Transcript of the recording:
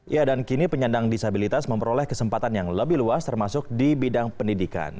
ya dan kini penyandang disabilitas memperoleh kesempatan yang lebih luas termasuk di bidang pendidikan